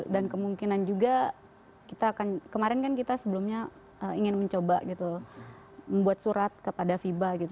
dan kemungkinan juga kemarin kan kita sebelumnya ingin mencoba membuat surat kepada viva